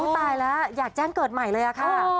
อุ๊ยตายแล้วอยากแจ้งเกิดใหม่เลยแล้วค่ะ